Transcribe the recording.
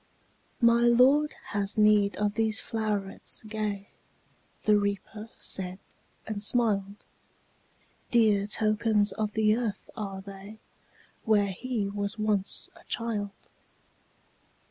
``My Lord has need of these flowerets gay,'' The Reaper said, and smiled; ``Dear tokens of the earth are they, Where he was once a child.